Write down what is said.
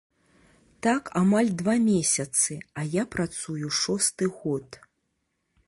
Так амаль два месяцы, а я працую шосты год.